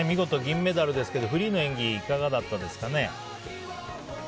見事銀メダルですけどフリーの演技いかがでしたか？